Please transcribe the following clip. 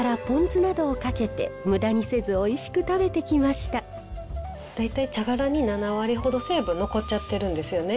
和束では昔から大体茶殻に７割ほど成分残っちゃってるんですよね。